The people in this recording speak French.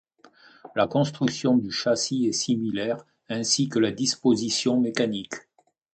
La construction du châssis est similaire ainsi que la disposition mécanique.